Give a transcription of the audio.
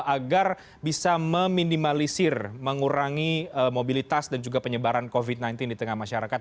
agar bisa meminimalisir mengurangi mobilitas dan juga penyebaran covid sembilan belas di tengah masyarakat